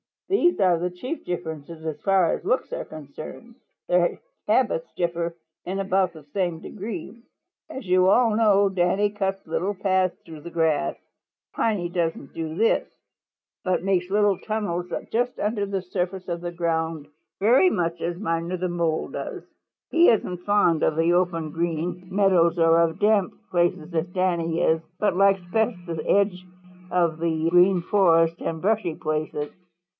"These are the chief differences as far as looks are concerned. Their habits differ in about the same degree. As you all know, Danny cuts little paths through the grass. Piney doesn't do this, but makes little tunnels just under the surface of the ground very much as Miner the Mole does. He isn't fond of the open Green Meadows or of damp places as Danny is, but likes best the edge of the Green Forest and brushy places.